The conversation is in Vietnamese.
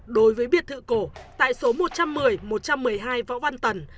đối với biệt thự cổ tại số một trăm một mươi một trăm một mươi hai võ văn tần